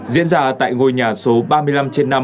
diễn ra tại ngôi nhà số ba mươi năm trên năm